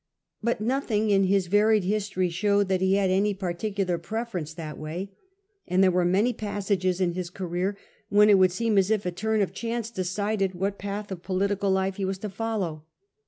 But nothing in his varied his tory showed that he had any particular preference that way ; and there were many passages in his career when it would seem as if a turn of chance decided what path of political life he was to follow.